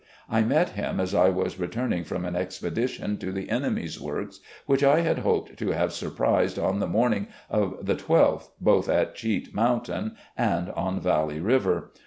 I met him as I was returning from an expedition to the enemy's works, which I had hoped to have surprised on the morning of the 12 th, both at Cheat Mountain and on Valley River.